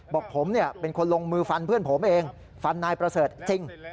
บอกผมเป็นคนลงมือฟันเพื่อนผมเองฟันนายประเสริฐจริง